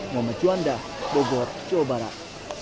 muhammad juanda bogor jawa barat